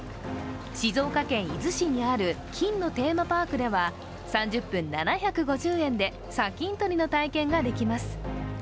静岡県伊豆市にある金のテーマパークでは３０分７５０円で砂金採りの体験ができます。